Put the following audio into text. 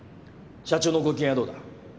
社長のご機嫌はどうだ？